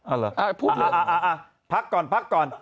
อ้าล่ะพูดอีกอ่ะพักก่อน